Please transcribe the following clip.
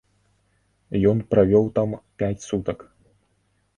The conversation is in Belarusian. Ён правёў там пяць сутак.